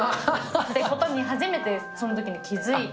ってことに初めてそのときに気付いて。